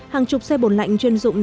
hàng chục xe bồn lạnh chuyên dụng